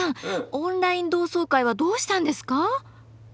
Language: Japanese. オンライン同窓会はどうしたんですか？